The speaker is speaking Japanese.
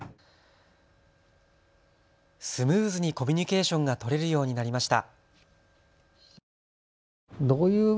スムーズにコミュニケーションが取れるようになりました。